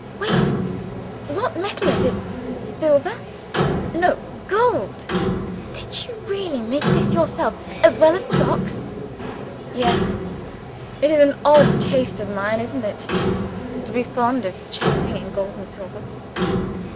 "Wait! what metal is it? Silver? No. Gold. Did you really make this yourself as well as the box?" "Yes. It is an odd taste of mine isn't it? to be fond of chasing in gold and silver.